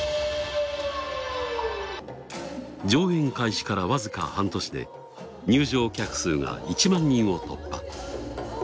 上演開始からわずか半年で入場客数が１万人を突破。